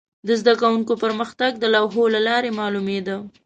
د زده کوونکو پرمختګ د لوحو له لارې معلومېده.